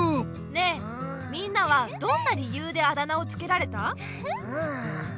ねえみんなはどんな理由であだ名をつけられた？